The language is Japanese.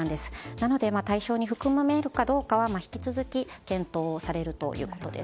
なので対象に含まれるかどうかは引き続き検討されるということです。